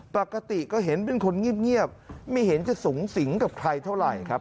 ปกติก็เห็นเป็นคนเงียบไม่เห็นจะสูงสิงกับใครเท่าไหร่ครับ